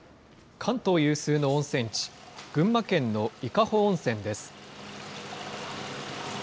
関東有数の温泉地、群馬県の伊香保温泉です。